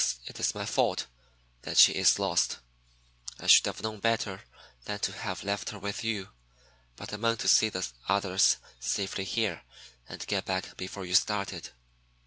It is my fault that she is lost. I should have known better than to have left her with you, but I meant to see the others safely here, and get back before you started.